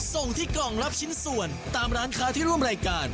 ส่งที่กล่องรับชิ้นส่วนตามร้านค้าที่ร่วมรายการ